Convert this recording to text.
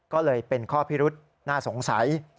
ก็เลยเป็นข้อพิรุษน่าสงสัย